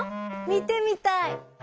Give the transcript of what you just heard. みてみたい。